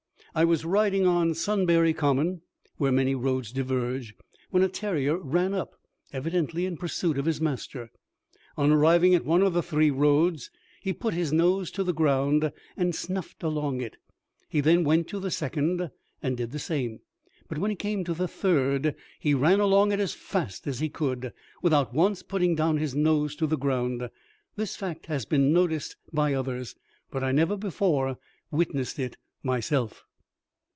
I was riding on Sunbury Common, where many roads diverge, when a terrier ran up, evidently in pursuit of his master. On arriving at one of the three roads, he put his nose to the ground and snuffed along it; he then went to the second, and did the same; but when he came to the third, he ran along it as fast as he could, without once putting down his nose to the ground. This fact has been noticed by others, but I never before witnessed it myself.